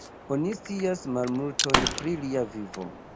Oni scias malmulton pri lia vivo.